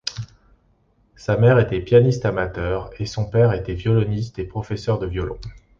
Sa mère était pianiste amateur, et son père était violoniste et professeur de violon.